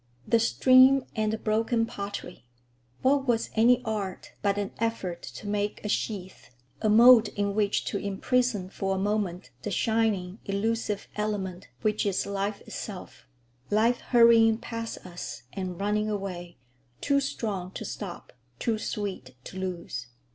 The stream and the broken pottery: what was any art but an effort to make a sheath, a mould in which to imprison for a moment the shining, elusive element which is life itself,—life hurrying past us and running away, too strong to stop, too sweet to lose?